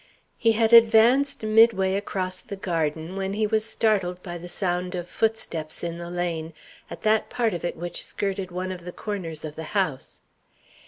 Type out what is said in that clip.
He had advanced midway across the garden, when he was startled by the sound of footsteps in the lane at that part of it which skirted one of the corners of the house.